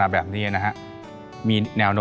แม่บ้านประจันบัน